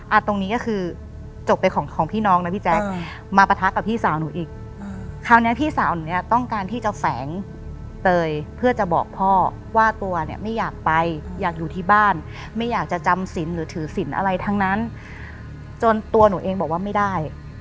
ตรงนี้ก็คือจบไปของของพี่น้องนะพี่แจ๊คมาปะทะกับพี่สาวหนูอีกคราวนี้พี่สาวหนูเนี้ยต้องการที่จะแฝงเตยเพื่อจะบอกพ่อว่าตัวเนี่ยไม่อยากไปอยากอยู่ที่บ้านไม่อยากจะจำสินหรือถือศิลป์อะไรทั้งนั้นจนตัวหนูเองบอกว่าไม่ได้